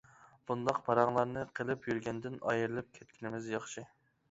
بۇنداق پاراڭلارنى قىلىپ يۈرگەندىن ئايرىلىپ كەتكىنىمىز ياخشى.